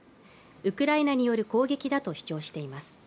ウクライナによる攻撃だと主張しています。